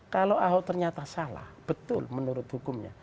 kalau ahok ternyata salah betul menurut hukumnya